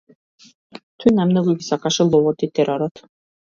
Тој најмногу ги сакаше ловот и теророт.